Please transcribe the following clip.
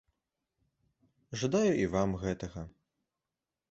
Жадаю і вам гэтага.